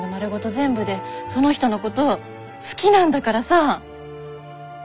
全部でその人のこと好きなんだからさ！